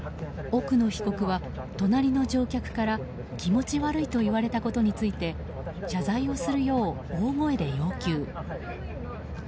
奥野被告は隣の乗客から気持ち悪いと言われたことについて謝罪をするよう大声で要求。